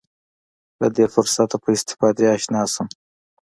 له دې فرصته په استفادې اشنا شم.